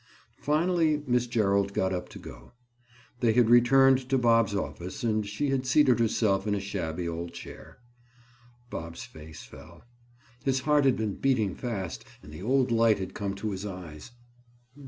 Finally Miss Gerald got up to go. They had returned to Bob's office and she had seated herself in a shabby old chair. Bob's face fell. His heart had been beating fast and the old light had come to his eyes.